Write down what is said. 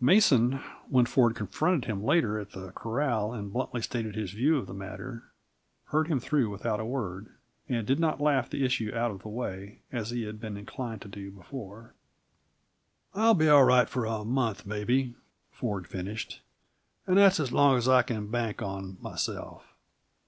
Mason, when Ford confronted him later at the corral and bluntly stated his view of the matter, heard him through without a word, and did not laugh the issue out of the way, as he had been inclined to do before. "I'll be all right for a month, maybe," Ford finished, "and that's as long as I can bank on myself.